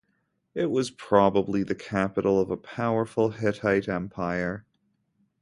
It was probably the capital of a powerful Hittite empire.